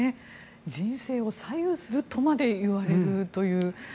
人生を左右するとまで言われるという。